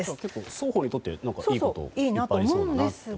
双方にとってはいいこといっぱいありそうですね。